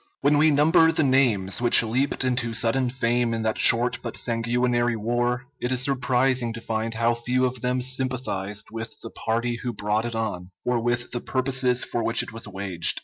] When we number the names which leaped into sudden fame in that short but sanguinary war, it is surprising to find how few of them sympathized with the party who brought it on, or with the purposes for which it was waged.